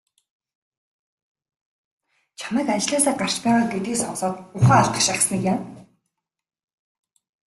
Чамайг ажлаасаа гарч байгаа гэдгийг сонсоод ухаан алдах шахсаныг яана.